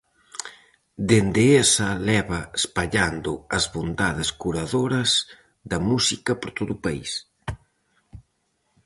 Dende esa leva espallando as bondades curadoras da música por todo o país.